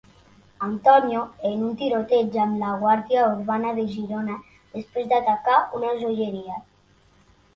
Antonio en un tiroteig amb la guàrdia urbana de Girona després d'atracar una joieria.